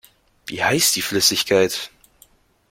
Wie heißt die Flüssigkeit?